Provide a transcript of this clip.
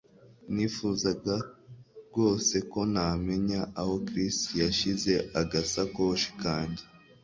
Nifuzaga rwose ko namenya aho Chris yashyize agasakoshi kanjye